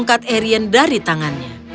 arion dari tangannya